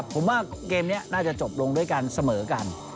ผมว่าเกมนี้น่าจะจบลงด้วยกันเสมอกัน